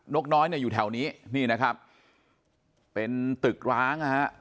กน้อยเนี่ยอยู่แถวนี้นี่นะครับเป็นตึกร้างนะฮะ